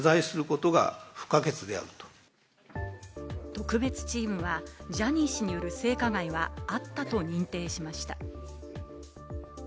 特別チームは、ジャニー氏による性加害はあったと認定しました。